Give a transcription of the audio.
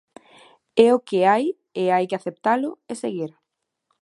É o que hai e hai que aceptalo e seguir.